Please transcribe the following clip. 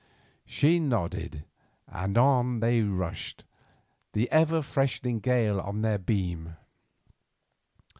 She nodded, and on they rushed, the ever freshening gale on their beam.